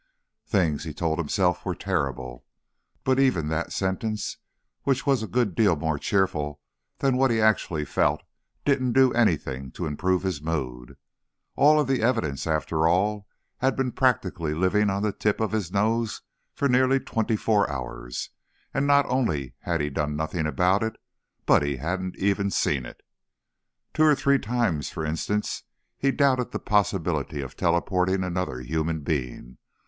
Things, he told himself, were terrible. But even that sentence, which was a good deal more cheerful than what he actually felt, didn't do anything to improve his mood. All of the evidence, after all, had been practically living on the tip of his nose for nearly twenty four hours, and not only had he done nothing about it, but he hadn't even seen it. Two or three times, for instance, he'd doubted the possibility of teleporting another human being.